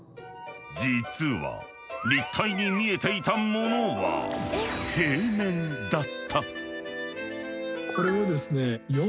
実は立体に見えていたものは平面だった。